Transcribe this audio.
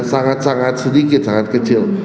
sangat sangat sedikit sangat kecil